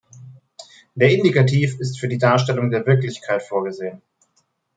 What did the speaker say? Der Indikativ ist für die Darstellung der Wirklichkeit vorgesehen.